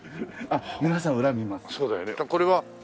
皆さん裏見ます。